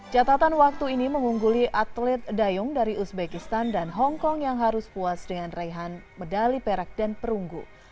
catatan waktu ini mengungguli atlet dayung dari uzbekistan dan hongkong yang harus puas dengan raihan medali perak dan perunggu